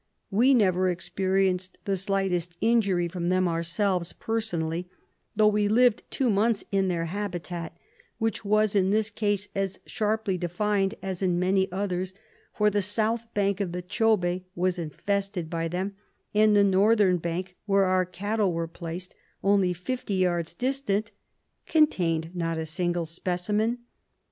We never experienced the slightest injury from them ourselves, personally, although we lived two months in their habitat, which was in this case as sharply defined as in many others, for the south bank of the Chobe was infested by them, and the northern bank, where our cattle were placed only fifty yards distant, contained not a single specimen.